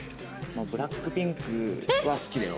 ＢＬＡＣＫＰＩＮＫは好きだよ。